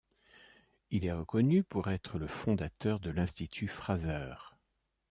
Il est reconnu pour être le fondateur de l’Institut Fraser.